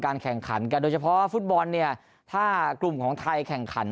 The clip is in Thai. แข่งขันกันโดยเฉพาะฟุตบอลเนี่ยถ้ากลุ่มของไทยแข่งขัน